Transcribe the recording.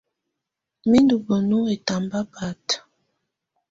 Mɛ́ ndɔ́ bǝ́nu ɛtamba báta.